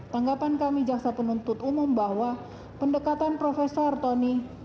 tanggapan kami jaksa penuntut umum bahwa pendekatan prof tony